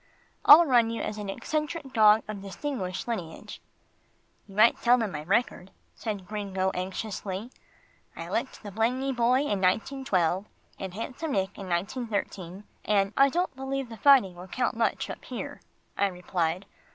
"I'll run you as an eccentric dog of distinguished lineage." "You might tell them my record," said Gringo anxiously. "I licked Blangney Boy in 1912, and Handsome Nick in 1913 and " "I don't believe the fighting will count much up here," I replied.